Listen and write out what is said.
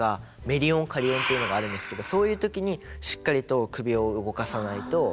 メリ音カリ音ていうのがあるんですけどそういう時にしっかりと首を動かさないと。